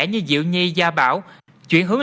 như diệu nhi gia bảo chuyển hướng